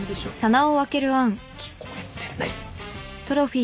聞こえてない。